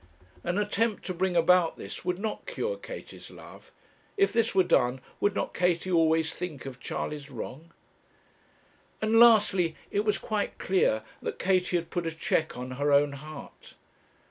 An attempt to bring about this would not cure Katie's love. If this were done, would not Katie always think of Charley's wrong? And, lastly, it was quite clear that Katie had put a check on her own heart.